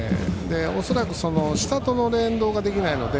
恐らく下との連動ができないので。